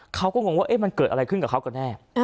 งงว่ามันเกิดอะไรขึ้นกับเขาก็แน่